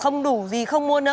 không đủ gì không mua nữa